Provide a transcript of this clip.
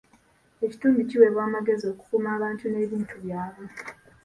Ekitundu kiwebwa amagezi okukuuma abantu n'ebintu byabwe.